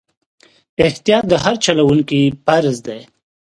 احتیاط د هر چلوونکي فرض دی.